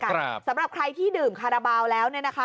สำหรับใครที่ดื่มคาราบาลแล้วเนี่ยนะคะ